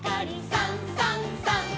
「さんさんさん」